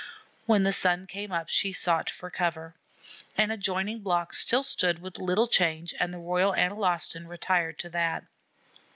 When the sun came up she sought for cover. An adjoining block still stood with little change, and the Royal Analostan retired to that.